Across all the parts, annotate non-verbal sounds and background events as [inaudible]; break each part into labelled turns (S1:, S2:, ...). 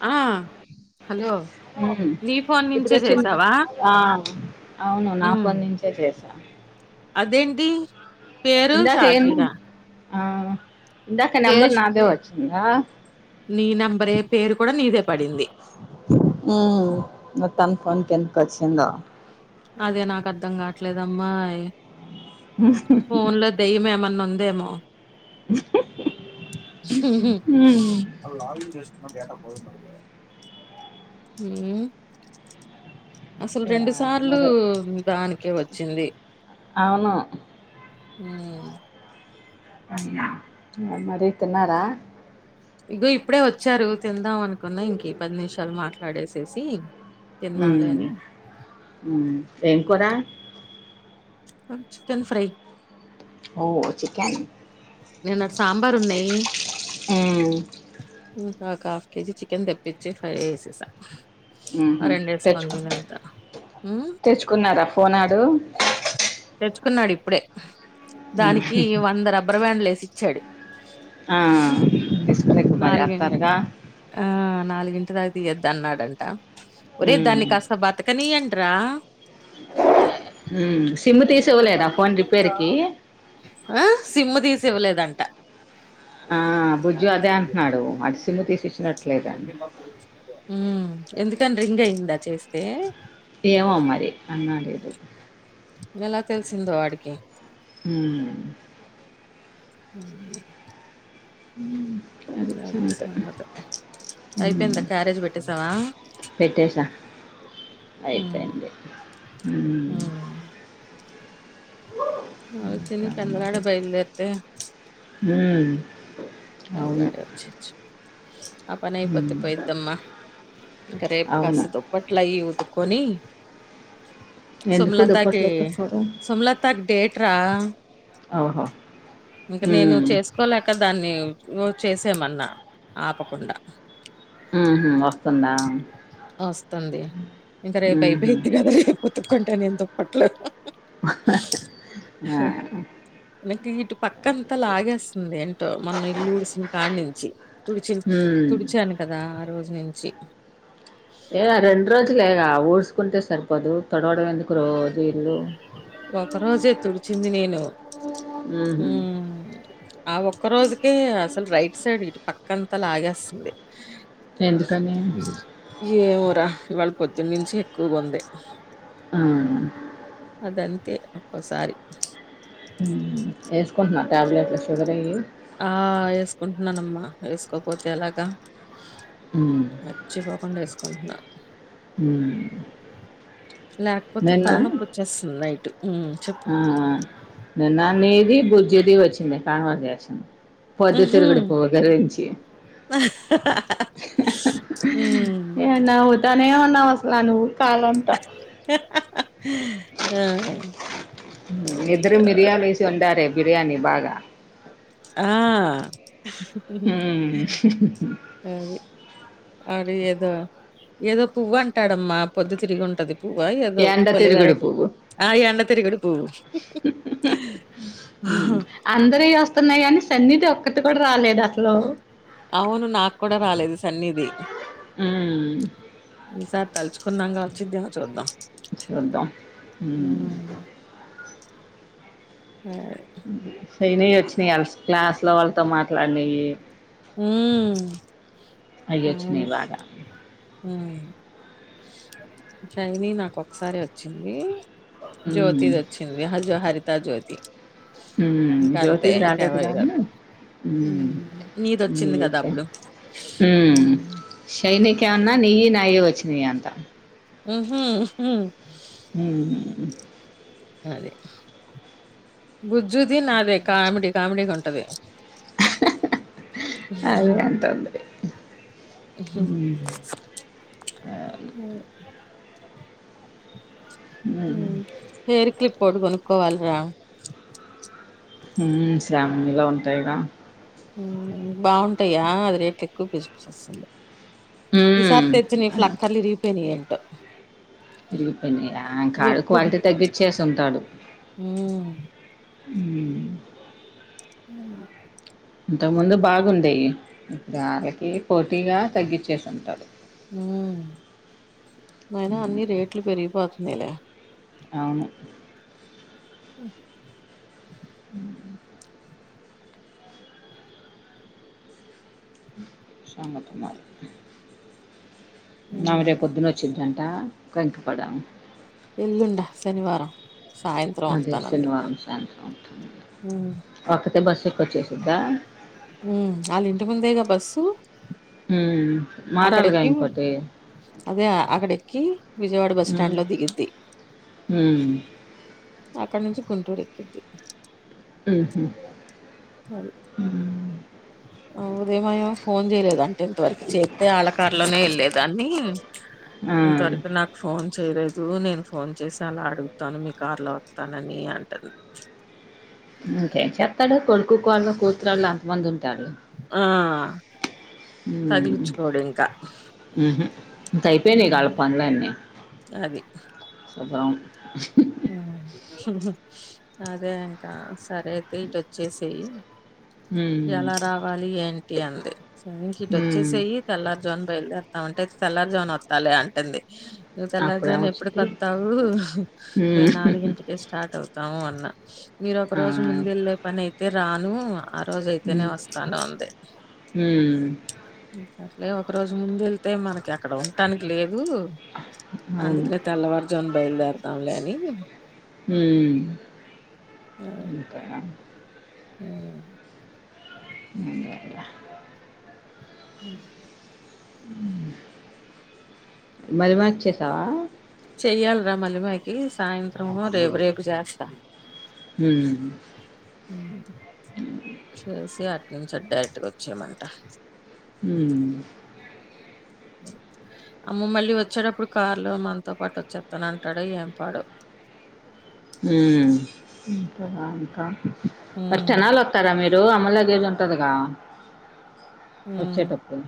S1: ఆ హలో
S2: ఉ
S1: నీ ఫోన్ నుంచే
S2: ఇప్పుడోచ్చిందిగా
S1: చేసావా
S2: ఆ అవును
S1: ఉమ్
S2: నాఫోన్ నుంచే చేసినా
S1: అదేంటి పేరు
S2: ఇందాక ఏమన్నవ్
S1: షాకిరా
S2: ఆ ఇందాక
S1: పేరు
S2: నెంబర్
S1: ష్
S2: నాదే వచ్చింది గా
S1: నీ నెంబరే పేరు కూడా నీదే పడింది
S2: ఉహు మొత్తన్కి ఫోన్ కెందుకలసిందో
S1: అదే నాకర్థం కావట్లేదమ్మాయి ఫోన్ లో దెయ్యం ఏమన్నుందేమో
S2: ఉహ్హ్ హ్ హ్
S1: ఉహ్హ్ హుహు వాల్ లాగిన్ చేసి ఉంటే డేటా పోయుండదులే ఉ అసలు
S2: యా
S1: రెండు సార్లు
S2: మరి
S1: దానికే వచ్చింది
S2: అవును
S1: ఉ
S2: ఉ మరీ తిన్నారా
S1: ఇగో ఇప్పుడే వచ్చారు తిందాం అనుకున్న ఇంకి పది నిమిషాలు మాట్లాడేసేసి
S2: ఉ
S1: తిందాంలే అని
S2: ఉ ఏం కూరా
S1: అన్ చికెన్ ఫ్రై
S2: ఓ చికెన్
S1: నిన్నటి సాంబార్ ఉన్నాయి
S2: ఉ
S1: ఇంకా ఒక హాఫ్ కేజీ చికెన్ తెప్పిచ్చి ఫ్రై చేేసేసా
S2: ఉహు
S1: ఆ రెండెస్కోని తినెల్తాను ఉ
S2: కున్నారా ఫోన్ వాడు
S1: తెచ్చుకున్నాడు ఇప్పుడే
S2: ఉమ్.
S1: దానికి వంద రబ్బర్బండ్లు వేసి ఇచ్చాడు
S2: ఆ ఇస్కు మరి
S1: నాలుగి
S2: అత్తరగా
S1: ఆ నాలుగింటి ఇందాక తియ్యద్దు అన్నాడంట ఒరే
S2: హ్మ్
S1: దాన్ని కాస్త బత్ర కనీయండ్రా
S2: ఉ సిమ్ తీసివ్వలేదా ఫోన్ రిపేర్ కి
S1: ఆ సిమ్ము తీసి ఇవ్వలేదంట
S2: ఆ బుజ్జు అదే అంటున్నాడు ఆడు సిమ్మ తీసి ఇచ్చినట్లే లేడని
S1: ఉ ఎందుకని రింగ్ అయిందా చేస్తే
S2: ఏమో మరి అన్నాడో లేదు
S1: ఇలా తెలిసిందో వాడికి
S2: ఉమ్
S1: ఉ
S2: హ
S1: అది సంగతి
S2: హ్మ్
S1: అయిపోయింద క్యారేజ్ పెట్టేసావా
S2: పెట్టేసా
S1: ఉమ్
S2: అయిపోయింది ఉ
S1: అ తిని
S2: ఇంకా
S1: పెందలాడే బయలుదేరితే
S2: ఉమ్
S1: పెందలాడ వచ్చేయొచ్చు ఆ పని అయిపోతే
S2: హ్మ్
S1: పోయిద్దమ్మా ఇంకా రేపు
S2: అవును
S1: కాస్త దుప్పట్లు అయి ఉతుక్కొని
S2: ఎందుకు
S1: సోమలత కి
S2: దుప్పట్లు ఉతుక్కోవడం
S1: సోమలత డేట్ రా
S2: ఓహో
S1: ఇంకా నేను
S2: హ్మ్
S1: చేసుకోలేక దాన్ని నువ్వు చేసేమన్నా ఆపకుండా
S2: ఉహు ఇంగా
S1: వస్తుంది ఇంకా రేపు
S2: ఊహూ
S1: అయిపోయిద్ది కదా రేపు ఉతుకుంటా నిను దుప్పట్లు హ
S2: ఆ
S1: హ ఆహ నాకి దు పక్క అంతా లాగేస్తుంది ఏంటో మన ఇల్లు ఉడిసినకాడనించి తుడిచ
S2: హ్మ్
S1: తుడిచాను కదా ఆ రోజు నించి
S2: ఏ ఆ రెండు రోజులే గా ఊడ్చకుంటే సరిపోదు తుడవడం ఎందుకు రోజు ఇల్లు
S1: ఒక రోజే తుడిచింది నేను
S2: ఉహు
S1: ఉను ఆ ఒక్క రోజుకే అసలు రైట్ సైడ్ ఇటు పక్కంతా లాగేస్తాది
S2: ఎందుకని
S1: ఏమోరా ఇవాళ పొద్దున్న నుంచి ఎక్కువగా ఉంది
S2: అవునా
S1: అదంతే ఒక్కోసారి
S2: మ్మ్ వేసుకుంటున్నా ట్యాబ్లెట్లు షుగర్ అయ్యి
S1: ఆ వేసుకుంటున్నానమ్మా వేసుకోకపోతే యేలగా
S2: అవును
S1: మర్చిపోకుండా యేసుకుంటున్నా
S2: ఉమ్.
S1: లేకపోతే
S2: నిన్న
S1: తలనొప్పి వచ్చేస్తుంది నైటు మ్మ్
S2: ఆ నిన్న నీది బుజ్జిది వచ్చింది కాన్వాజేషన్ పోద్దు తిరుగుడు పువ్వు గురించి
S1: ఆహ్ హ హ ఉన్
S2: ఏ నవ్వుతానే ఉన్నావు అసలు నువ్వు కాల్ అంతా
S1: ఆ
S2: ఇద్దరు
S1: అయ్యోరా!
S2: మిర్యాలు యేసి వండారే బిర్యానీ బాగా
S1: ఆ
S2: ఉమ్.
S1: అది అది ఏదో ఏదో పువ్వు అంటాడమ్మా పొద్దు తిరిగి ఉంటది పువ్వ ఏదో
S2: ఎండ తిరుగుడు
S1: [unintelligible] ఆ ఎండ తిరిగుడు పువ్వు
S2: ఉను అందరివి వస్తున్నాయి గానీ సన్ని ది ఒక్కటి కూడా రాలేదు అసలు
S1: అవును నాక్కూడా రాలేదు సన్ని ది
S2: హ్మ్.
S1: ఈసారి తలుచుకున్నాం గా వచ్చిద్దేమో చూద్దాం
S2: చూద్దాం మ్మ్
S1: అదే
S2: శైని వి వచ్చినాయ వాళ్ళ క్లాస్ లో వాళ్ళతో మాట్లాడినివి
S1: హ్మ్.
S2: అయ్యి వచ్చినాయి బాగా
S1: మ్మ్ శైని నాకు ఒక్కసారే వచ్చింది జ్యోతి
S2: హ్మ్.
S1: ది వచ్చింది హయ్యో హరిత జ్యోతి
S2: మ్మ్
S1: ఇంక అంతే
S2: జ్యోతిది రాలేదు
S1: ఇంకెవరివి
S2: గాని
S1: రావు.
S2: మ్మ్
S1: హ్మ్.
S2: మ్మ్
S1: నీదొచ్చింది కదా
S2: యోక్షది
S1: అప్పుడు. హ్మ్.
S2: శైనికి ఏమన్నా నియ్యి నాయే వచ్చినాయి అంట
S1: ఉహు ఉహు
S2: అవును
S1: అదే బుజ్జిది నాదే కామెడీ కామెడీ గా ఉంటది
S2: అదే అంటాంది అవును హ్మ్.
S1: అవును హెయిర్ క్లిప్ ఒకటి కొనుక్కోవాలరా
S2: ఉమ్ శ్రావణిలో ఉంటాయిగా
S1: ఉమ్ బాగుంటాయా అది రేట్లు ఎక్కువ పిసిపిస్తు
S2: హ్మ్.
S1: ఈసారీ దీని
S2: అనంట.
S1: ప్లాక్కార్లు విరిగి పోయినయ్ ఏంటో
S2: ఇరిగి పోయిన్య ఆడు
S1: ఎప్పుడు
S2: క్వాలిటీ తగ్గచ్చేసి ఉంటాడు
S1: ఉమ్
S2: హూమ్
S1: ఉమ్
S2: ఇంతకుముందు బాగుండేవి ఇప్పుడు ఆళ్లకి పోటీగా తగ్గించేసింటాడు
S1: ఉమ్ అయినా అన్ని రేట్లు పెరిగిపోతున్నాలే
S2: అవును
S1: హూం
S2: ఉమ్ ఉమ్
S1: ఉమ్
S2: నాయి రేపు పొద్దున చిటంట్ట కంకిపాడ
S1: ఎల్లుండా శనివారం సాయంత్రం వత్తనంది
S2: ఆ సాయంత్రం వస్తానందా
S1: ఉమ్
S2: ఒక్కతే బస్ ఎక్కి వచ్చేసిద్దా
S1: ఉమ్ వాళ్ళ ఇంటి ముందేగా బస్సు
S2: ఉమ్
S1: అక్కడెక్కి అదే అక్కడెక్కి విజయవాడ బస్
S2: హ్మ్
S1: స్టాండ్ లో దిగిద్ది
S2: హ్మ్
S1: అక్కడ నుంచి గుంటూరు ఎక్కిద్ది
S2: ఉహు హోమ్
S1: ఉదయం ఆమ ఫోన్ చేయలేదు అంట ఇంతవరకు చేతే ఆళ్లకారులోనే వెళ్లేదాన్ని
S2: ఆ
S1: ఇంత వరకు నాక్ ఫోన్ చేయలేదు నేను ఫోన్ చేసైనా అడుగుతాను మీ కార్ లో వస్తానని అంటారు
S2: ఇంకేం చెత్తాడు కొడుకు కోడళ్ళు కూతురు ఆళ్ళు అంతమంది ఉంటారు
S1: ఆ
S2: ఉమ్
S1: తగిలించుకోడు ఇంకా
S2: హూమ్ ఇంకా అయిపోయినై గా వాళ్ళ పనులన్నీ
S1: అది
S2: శుభం
S1: ఉమ్ హూమ్ అదే ఇంకా సరే అయితే ఇటు వచ్చేసేయ్
S2: హ్మ్.
S1: ఎలా రావాలి ఏంటి అంది సరే ఇంక ఇటు
S2: హ్మ్.
S1: వచ్చేసేయి తెల్లారు జామున బయల్దేరాతాము అంటే తెల్లారు జామున వత్తలే అంటంది నువ్వు తెల్లారు జామున ఎప్పుడికి
S2: అప్పుడేమొచ్చిద్ది?
S1: వస్తావు
S2: హ్మ్.
S1: రేపు స్టార్ట్ అవుతాము అన్న మీరు ఒక
S2: ఆ!
S1: రోజు ముందు వెళ్ళే పని అయితే రాను ఆ రోజయితేనే
S2: హ్మ్.
S1: వస్తాను అంది
S2: హ్మ్.
S1: సర్లే ఒక రోజు ముందు వెళ్తే మనకి అక్కడ ఉంటానికి లేదు
S2: అవును.
S1: అందుకేనే తెల్లవారు జాము బయలుదేరదాంలే అని
S2: హమ్
S1: ఆ
S2: ముందు వెళ్తా
S1: హమ్
S2: మళ్ళీ మార్చేసావా
S1: చెయ్యాల్రా మల్లిమాయకి సాయంత్రమో రేపు రేపు చేస్తా
S2: మ్
S1: మ్ హు చేసి అటు నుంచి అటే డైరెట్గా వచ్చేమంట
S2: హ్మ్
S1: అమ్మ మళ్ళీ వచ్చేటప్పుడు కార్లో మనతో పాటు వచ్చేతాన అంటాడో ఏం పాడో
S2: హ్మ్ మరి
S1: ఉమ్
S2: టెనలో టరా మీరు అమ్మ లాగేజ్ ఉంటదిగా
S1: హ్మ్
S2: వచ్చేటప్పుడు.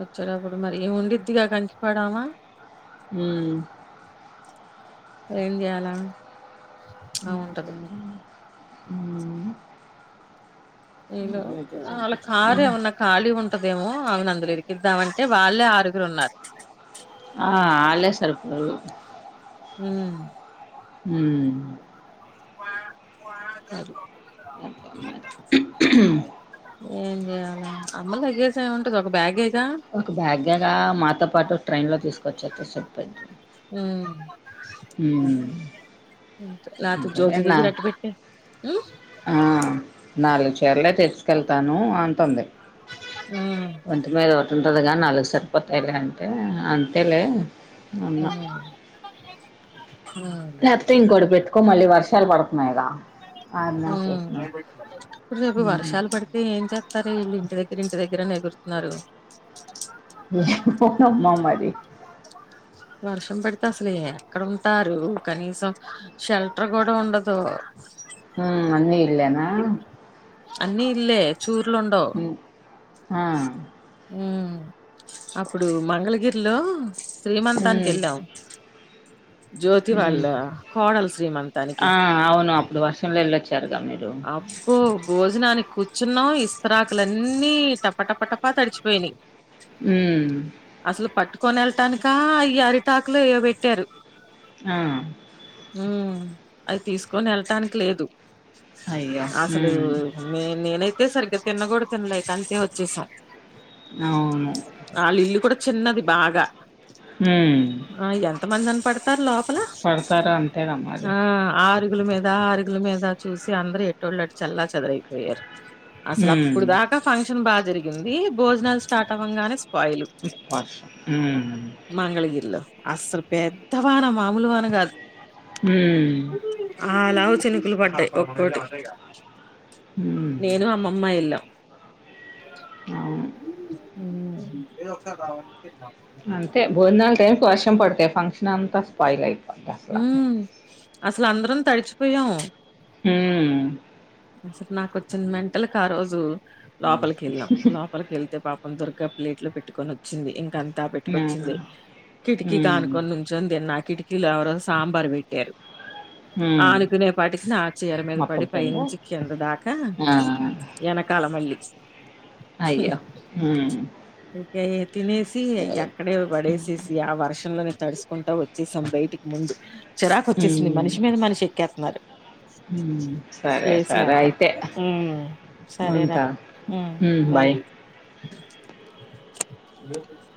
S1: వచ్చేటప్పుడు మరి ఈమె ఉండిద్దిగా కంకిపడామా
S2: హ్మ్
S1: ఏం చేయాల
S2: ఎం చెయ్యాలి నా బొంద
S1: ఎలో అళ్ళ కారు ఏమన్నా ఖాళీ ఉంటదేమో ఆమెని అందులో ఇరిక్కిద్దామంటే వాళ్ళే ఆరుగురు ఉన్నారు
S2: ఆ ఆళ్ళే సరిపోరు
S1: హ్మ్
S2: హ్మ్
S1: [inaudible]
S2: [inaudible]
S1: ఏం చేయాల అమ్మ లాగేజ్ ఏమి ఉంటది ఒక బ్యాగేగా
S2: ఒక బ్యాగ్గేగా మాతో పాటు ట్రైన్లో తీసుకొచ్చేస్తే సరిపోద్ది
S1: హ్మ్
S2: హ్మ్
S1: లేతే జ్యోతి
S2: అంతేలేండి నా
S1: దగ్గర అట్టిపెట్టె హ్మ్
S2: ఆ నాలుగు చీరలే తీస్కెళ్తాను అంటంది
S1: హ్మ్
S2: ఒంటి మీద ఒకటి ఉంటదిగా నాలుగు సరిపోతాయిలే అంటే అంతేలే అన్నా
S1: ఆ నాగు
S2: లేకపోతే ఇంకోటి పెట్టుకో మళ్ళీ వర్షాలు పడుతున్నాయిగా అన్నా
S1: హ్మ్
S2: చేసిన
S1: రేపు వర్షాలు పడి ఏం చెస్తారు ఇళ్ళు ఇంటి దగ్గరే ఇంటి దగ్గరే అని ఎగుర్తున్నారు
S2: ఎమో నమ్మ మరి
S1: వర్షం పడితే అసలు ఎక్కడ ఉంటారు కనీసం షెల్టర్ కూడా ఉండదు
S2: హ్మ్ ఇళ్ళేన
S1: అన్ని ఇల్లె చూర్లు ఉండవ్
S2: హ్మ్ ఆ
S1: మ్ అప్పుడు మంగళగిరిలో శ్రీమంతానికి
S2: హ్మ్
S1: ఎళ్ళం
S2: హ్మ్
S1: కోడలు శ్రీమంతానికి
S2: ఆ అవును అప్పుడు వర్షంలో వెళ్ళొచ్చారుగా మీరు
S1: అబ్బో భోజనానికి కూర్చున్నాం ఇస్తరాకులన్నీ టప టప టప తడిచిపోయినీ
S2: ఉమ్
S1: అసలు పట్టుకొని వెళ్టానిక ఈ అరిటాకు లో ఏయో పెట్టారు
S2: ఆ
S1: ఉమ్ అది తీసుకొని వెళ్ళటానికి లేదు
S2: అయ్యో
S1: అసలు
S2: ఉమ్
S1: మె నెనైతే సరిగ్గా తిన్న కూడా తిన్లే ఇక అంతే వచ్చేసం
S2: అవును
S1: వాళ్ళ ఇల్లు కూడా చిన్నది బాగా
S2: ఉమ్
S1: ఆ ఎంతమంది అని పడతారు లోపల
S2: పడతారు అంతేగా మరి
S1: ఆ ఆరుగుల మీద దా అరుగుల మీద చూసి అందరు ఎటోల్లు అటు చల్లా చదరైపోయారు అసలు
S2: ఉమ్
S1: అప్పుడు దా క ఫంక్షన్ బాగా జరిగింది భోజనాలు స్టార్ట్ అవ్వంగానే స్పాయిల్
S2: వర్షం ఉమ్
S1: మంగళగిరిలో అసలు పెద్దవాన మామూలు వాన కాదు
S2: మ్మ్
S1: ఆ లావు చినుకులు పడ్డాయి ఒక్కోటి
S2: ఉమ్
S1: నేను అమ్మమ్మ ఎల్లామ్
S2: అవును
S1: మ్మ్ మ్మ్
S2: అంతే భోజనాలు టైమ్ కి వర్షం పడతాయి ఫంక్షన్ అంతా స్పాయిల్ అయిపోద్ది అసల
S1: మ్మ్ అసలు అందరం తడిచిపోయాము
S2: మ్మ్
S1: అసలు నాకు వచ్చిన మెంటల్ కి ఆ రోజు లోపలికి వెళ్ళాం లో లోపలకి వెళ్తే పాపం దుర్గ ప్లేట్ లో పెట్టుకుని వచ్చింది ఇంకా ద
S2: ఉమ్
S1: పెట్టుకొచ్చింది కిటికీకి
S2: ఉమ్
S1: ఆనుకొని నుంచోని తిన్న కిటికీలో ఎవరో సాంబార్ పెట్టారు
S2: ఉమ్
S1: ఆనుకునేపాటికి ఆ చీర మీద
S2: మొత్తం
S1: పడి పై
S2: పోయిందా
S1: నుంచి ఇంత దాకా
S2: ఆ
S1: ఎనకాల మళ్ళి
S2: అయ్యో ఉమ్
S1: ఇంక ఇయి తినేసి ఎక్కడేవి పడేసేసి ఈ ఆ వర్షంలోనే తడుసుకుంటా వచ్చేసాం బయటికి ముందు చిరాకు వచ్చేసింది మనిషి మీద మనిషి ఎక్కెత్తున్నారు
S2: మ్మ్
S1: ప్లేస్ లేక మ్మ్ సరే రా
S2: ఉంటా.
S1: మ్మ్
S2: హ్మ్. బై.
S1: బాయ్ బ [unintelligible]